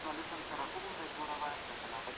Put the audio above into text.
سیاست د ټولنې د ټولو وګړو ګډ کار دی.